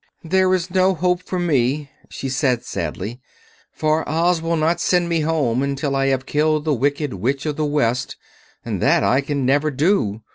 "There is no hope for me," she said sadly, "for Oz will not send me home until I have killed the Wicked Witch of the West; and that I can never do."